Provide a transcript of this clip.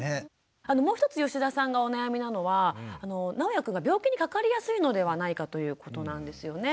もう一つ吉田さんがお悩みなのはなおやくんが病気にかかりやすいのではないかということなんですよね。